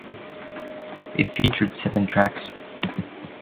It featured seven tracks.